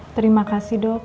terima kasih dok